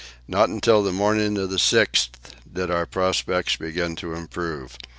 Not till the morning of the 6th did our prospects begin to improve.